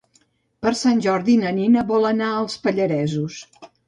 Per Sant Jordi na Nina vol anar als Pallaresos.